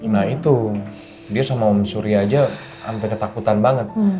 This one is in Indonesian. nah itu dia sama om suri aja sampai ketakutan banget